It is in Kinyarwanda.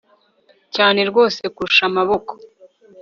cyane rwose kurusha amaboko